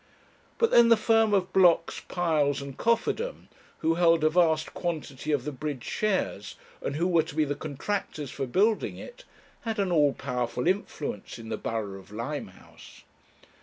But then the firm of Blocks, Piles, and Cofferdam, who held a vast quantity of the bridge shares, and who were to be the contractors for building it, had an all powerful influence in the borough of Limehouse.